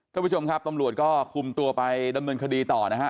ท่านผู้ชมครับตำรวจก็คุมตัวไปดำเนินคดีต่อนะฮะ